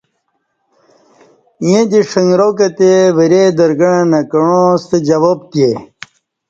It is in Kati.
ییں دی شنگرا کہ تی ورۓ درگݩع نہ کعاں ستہ جواب پتے